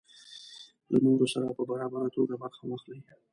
له نورو سره په برابره توګه برخه واخلي.